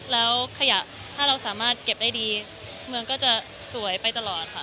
แล้วขยะถ้าเราสามารถเก็บได้ดีเมืองก็จะสวยไปตลอดค่ะ